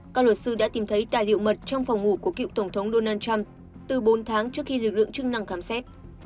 các luật sư đã tìm thấy tài liệu mật trong phòng ngủ của cựu tổng thống donald trump từ bốn tháng trước khi lực lượng chức năng khám xét